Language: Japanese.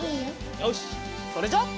よしそれじゃあ。